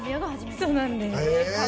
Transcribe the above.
そうなんです。